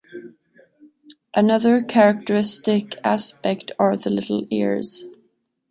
Another characteristic aspect are the little ears.